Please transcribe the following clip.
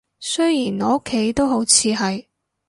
雖然我屋企都好似係